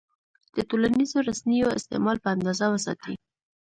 د ټولنیزو رسنیو استعمال په اندازه وساتئ.